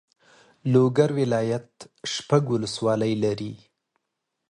لوګر ولایت شپږ والسوالۍ لري.